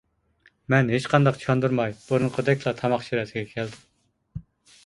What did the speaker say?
مەن ھېچقانداق چاندۇرماي، بۇرۇنقىدەكلا تاماق شىرەسىگە كەلدىم.